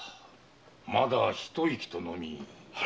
「まだ一息」とのみ。